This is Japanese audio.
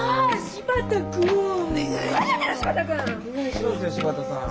柴田さん。